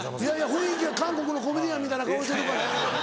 雰囲気は韓国のコメディアンみたいな顔してるからやな。